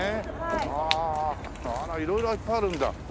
あああら色々いっぱいあるんだ。